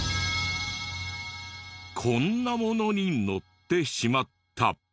こんなものに乗ってしまった。